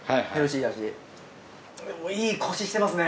いいコシしてますね。